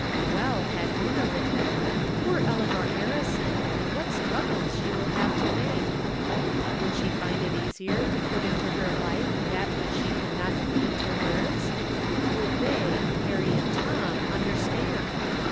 Well had Una written, " Poor Eleanor Harri son ! What struggles she will have to make !" Would she find it easier to put into her life that From Different Standpoints. 347 which she coiild not put into words? Would they, Perry and Tom, understand?